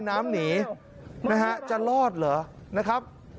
นะฮะโอ้โหนี่นะครับ